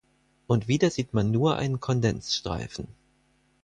Und wieder sieht man nur einen Kondenzstreifen.